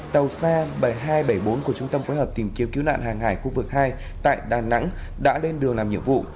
tàu c bảy nghìn hai trăm bảy mươi bốn của trung tâm phối hợp tìm kiếm cứu nạn hàng hải khu vực hai tại đà nẵng đã lên đường làm nhiệm vụ